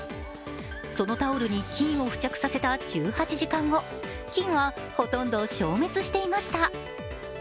そのタオルに菌を付着させた１８時間後、菌はほとんど消滅していました。